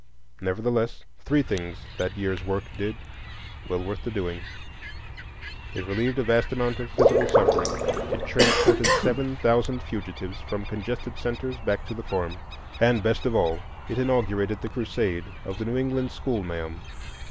Nevertheless, three things that year's work did, well worth the doing: it relieved a vast amount of physical suffering; it transported seven thousand fugitives from congested centres back to the farm; and, best of all, it inaugurated the crusade of the New England schoolma'am.